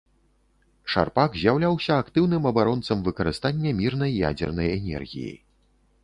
Шарпак з'яўляўся актыўным абаронцам выкарыстання мірнай ядзернай энергіі.